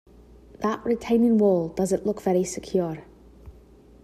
That retaining wall doesn’t look very secure